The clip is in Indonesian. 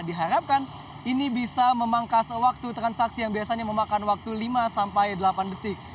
diharapkan ini bisa memangkas waktu transaksi yang biasanya memakan waktu lima sampai delapan detik